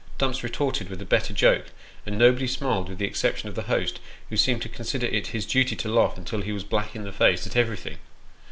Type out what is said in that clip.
Dumps retorted with a better joke, and nobody smiled, with the exception of the host, who seemed to consider it his duty to laugh till he was black in the face, at everything.